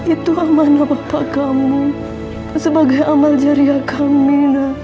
itu amanah bapak kamu sebagai amal jariah kami